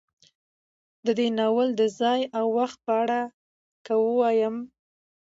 د دې ناول د ځاى او وخت په اړه که وايم